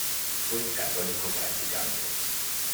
Fue católico practicante.